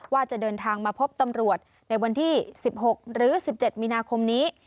ว่าจะเดินทางมาพบตำรวจในวันที่๑๖หรือ๑๗มีนาคมนี้